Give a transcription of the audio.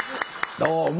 どうも！